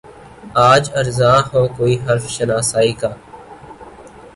آج ارزاں ہو کوئی حرف شناسائی کا